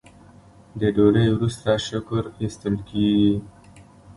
د ډوډۍ وروسته شکر ایستل کیږي.